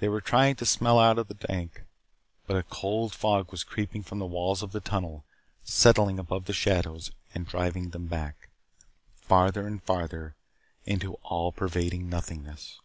They were trying to smile out of the dark, but a cold fog was creeping from the walls of the tunnel, settling about the shadows, and driving them back, farther and farther into all pervading nothingness.